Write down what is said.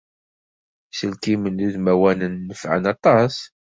Iselkimen udmawanen nefɛen aṭas.